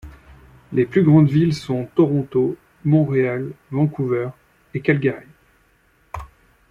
Les plus grandes villes sont Toronto, Montréal, Vancouver et Calgary.